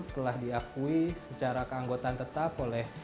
telah diakui secara keanggotaan tetap oleh